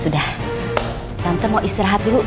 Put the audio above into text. sudah tante mau istirahat dulu